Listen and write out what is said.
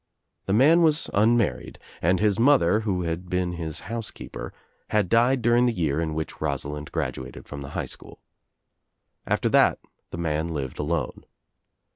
The man was unmar ried and his mother, who had been his housekeeper, had died during the year in which Rosalind graduated from the high school. After that the man lived alone.